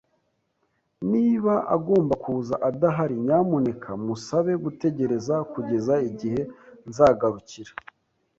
Niba agomba kuza adahari, nyamuneka musabe gutegereza kugeza igihe nzagarukira.